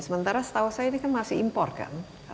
sementara setahu saya ini kan masih impor kan